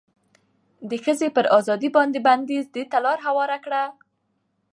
د ښځې پر ازادې باندې بنديز دې ته لار هواره کړه